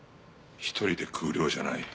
一人で食う量じゃない。